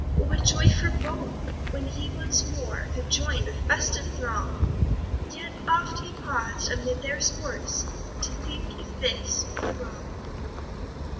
What joy for both, when he once more Could join the festive throng! Yet oft he paus'd amid their sports, To think if this were wrong.